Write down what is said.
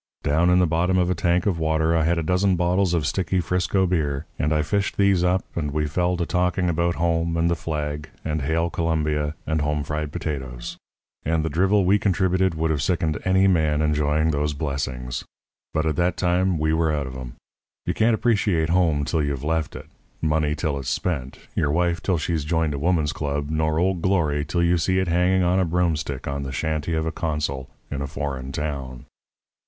Down in the bottom of a tank of water I had a dozen bottles of sticky Frisco beer; and I fished these up, and we fell to talking about home and the flag and Hail Columbia and home fried potatoes; and the drivel we contributed would have sickened any man enjoying those blessings. But at that time we were out of 'em. You can't appreciate home till you've left it, money till it's spent, your wife till she's joined a woman's club, nor Old Glory till you see it hanging on a broomstick on the shanty of a consul in a foreign town.